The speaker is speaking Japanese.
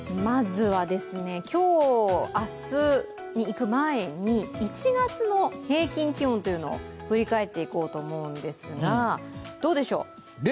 まずは、今日、明日にいく前に１月の平均気温を振り返っていこうと思うんですが、どうでしょう。